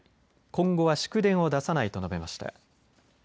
今後は祝電を出さないと述べました。